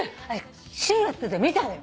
シルエットで見たのよ。